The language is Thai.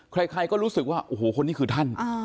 ใครก็รู้สึกว่าโอ้โหคนนี้คือท่าน